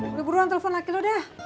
udah buruan telepon laki laki udah